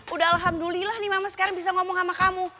udah alhamdulillah nih mama sekarang bisa ngomong sama kamu